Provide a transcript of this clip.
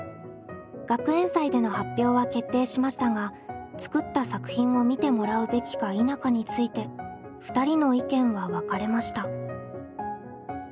学園祭での発表は決定しましたが作った作品を見てもらうべきか否かについて２人の意見は分かれました。